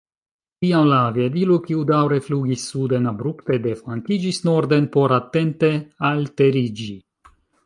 Tiam la aviadilo, kiu daŭre flugis suden, abrupte deflankiĝis norden por atente alteriĝi.